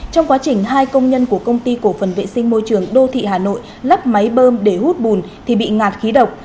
trong quá trình hai công nhân của công ty cổ phần vệ sinh môi trường đô thị hà nội lắp máy bơm để hút bùn thì bị ngạt khí độc